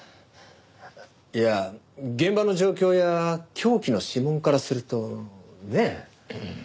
いや現場の状況や凶器の指紋からするとねえ。